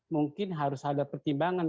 mungkin harus ada pertimbangan